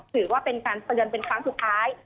ถือว่าเป็นการเตือนเป็นครั้งสุดท้าย